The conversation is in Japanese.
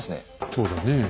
そうだねえ。